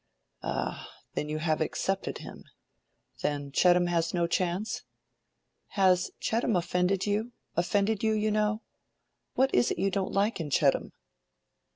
"Ah!—then you have accepted him? Then Chettam has no chance? Has Chettam offended you—offended you, you know? What is it you don't like in Chettam?"